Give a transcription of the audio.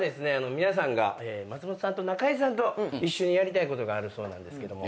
皆さんが松本さんと中居さんと一緒にやりたいことがあるそうなんですけども。